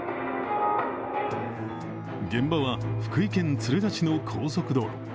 現場は福井県敦賀市の高速道路。